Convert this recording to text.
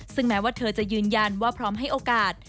ซึ่งแม้ว่าเธอจะยืนยันว่าพร้อมให้โอกาส